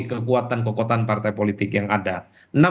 kekuatan kekuatan partai politik yang ada